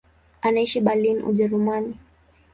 Anaishi Berlin, Ujerumani.